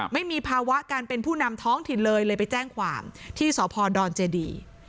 ไม่มีภาวะการเป็นผู้นำท้องถิ่นเลยเลยไปแจ้งความที่สพดเจดี